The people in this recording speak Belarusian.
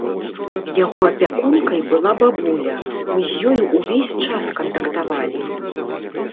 Яго апякункай была бабуля, мы з ёй увесь час кантактавалі.